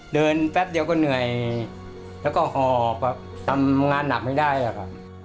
แป๊บเดียวก็เหนื่อยแล้วก็หอบแบบทำงานหนักไม่ได้อะค่ะ